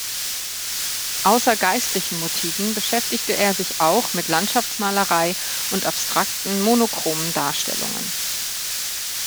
Außer geistlichen Motiven beschäftigte er sich auch mit Landschaftsmalerei und abstrakten, monochromen Darstellungen.